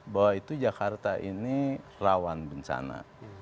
bahwa itu jakarta ini rawan bencana